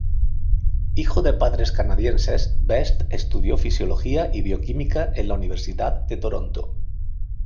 Hijo de padres canadienses, Best estudió fisiología y bioquímica en la Universidad de Toronto.